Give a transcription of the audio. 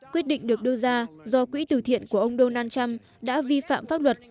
quyết định được đưa ra do quỹ tử thiện của ông donald trump đã vi phạm pháp luật